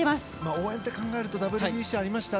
応援って考えるとＷＢＣがありました。